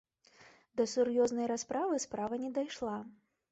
Да сур'ёзнай расправы справа не дайшла.